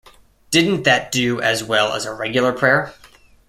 Didn't that do as well as a regular prayer?